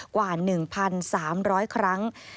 กว่า๑๓๐๐ครั้ง